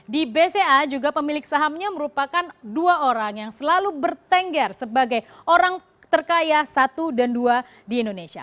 di bca juga pemilik sahamnya merupakan dua orang yang selalu bertengger sebagai orang terkaya satu dan dua di indonesia